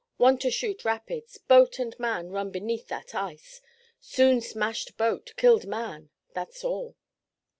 Want to shoot rapids; boats and man run beneath that ice. Soon smashed boat, killed man. That's all."